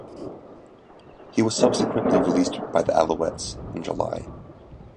He was subsequently released by the Alouettes in July.